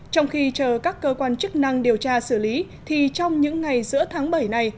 trong khi chờ các cơ quan chức năng điều tra xử lý thì trong những ngày giữa tháng bảy này